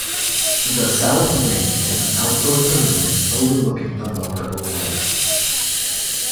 The South wing is an outdoor pavilion overlooking the lower ovals.